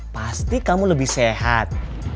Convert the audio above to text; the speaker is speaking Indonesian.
pasti kamu lebih sehat